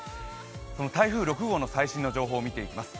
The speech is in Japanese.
台風６号の最新の状況を見ていきます。